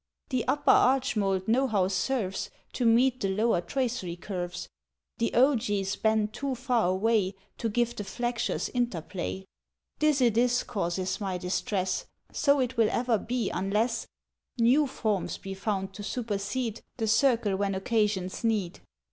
"The upper archmould nohow serves To meet the lower tracery curves: "The ogees bend too far away To give the flexures interplay. "This it is causes my distress ... So it will ever be unless "New forms be found to supersede The circle when occasions need.